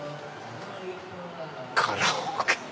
カラオケ！